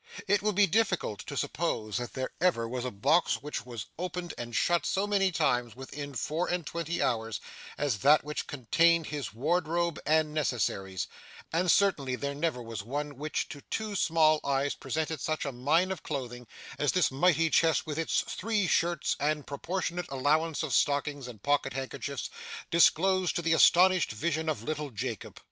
It would be difficult to suppose that there ever was a box which was opened and shut so many times within four and twenty hours, as that which contained his wardrobe and necessaries; and certainly there never was one which to two small eyes presented such a mine of clothing, as this mighty chest with its three shirts and proportionate allowance of stockings and pocket handkerchiefs, disclosed to the astonished vision of little Jacob.